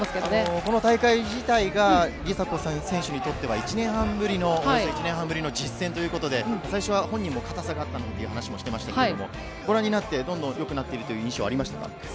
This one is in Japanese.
この大会自体が梨紗子選手にとっては１年半ぶりの、およそ１年半ぶりの実戦ということで、最初は本人もかたさがあったなんていう話もしてましたけれども、ご覧になって、どんどんよくなってるという印象はありましたか？